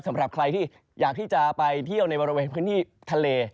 สำหรับใครที่อยากที่จะไปเที่ยวในบริเวณพื้นที่ทะเล